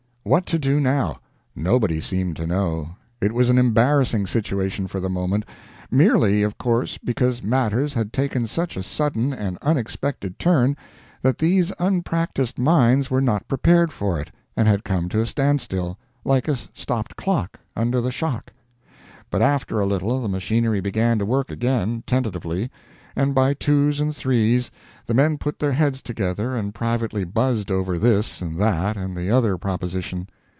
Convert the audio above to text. What to do now? Nobody seemed to know. It was an embarrassing situation for the moment merely, of course, because matters had taken such a sudden and unexpected turn that these unpractised minds were not prepared for it, and had come to a standstill, like a stopped clock, under the shock. But after a little the machinery began to work again, tentatively, and by twos and threes the men put their heads together and privately buzzed over this and that and the other proposition.